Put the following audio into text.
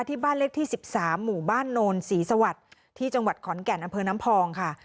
ที่บ้านเลขที่๑๓หมู่บ้านโนนศรีสวัสดิ์ที่จังหวัดขอนแก่นอำเภอน้ำพองค่ะ